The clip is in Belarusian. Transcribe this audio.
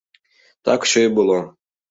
Так усё і было.